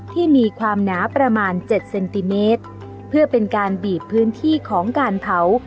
ที่มีความหนาประมาณเจ็ดเซนติเมตรเพื่อเป็นการบีบพื้นที่ของการเผา